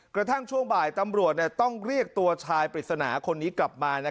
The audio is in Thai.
กระทั่งช่วงบ่ายตำรวจต้องเรียกตัวชายปริศนาคนนี้กลับมา